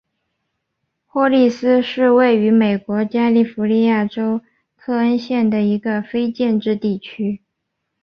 霍利斯是位于美国加利福尼亚州克恩县的一个非建制地区。